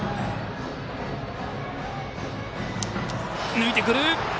抜いてくる。